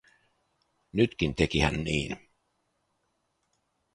Nytkin teki hän niin.